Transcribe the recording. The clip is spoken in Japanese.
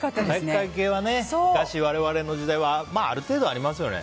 体育会系はね、昔我々の時代はある程度、ありますよね。